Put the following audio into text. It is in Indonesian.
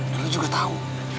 dan lu juga tau